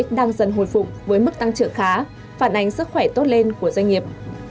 nhân dân hồi phụng với mức tăng trưởng khá phản ánh sức khỏe tốt lên của doanh nghiệp